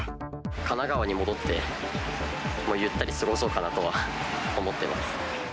神奈川に戻って、ゆったり過ごそうかなとは思っています。